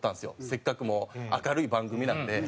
せっかくもう明るい番組なので。